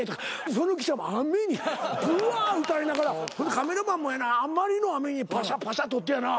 その記者も雨にブワー打たれながらカメラマンもやなあまりの雨にパシャパシャ撮ってやな